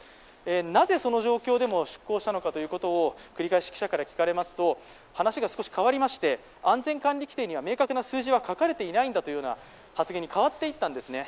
なぜその状況でも出港したのかということを繰り返し記者から聞かれますと話が少し変わりまして、安全管理規程には明確な数字は書かれていないんだという発言に変わっていったんですね。